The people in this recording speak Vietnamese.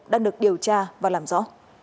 đã được điều tra và làm rõ